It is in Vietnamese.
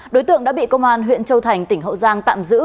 đối tượng đã bị công an huyện châu thành tỉnh hậu giang tạm giữ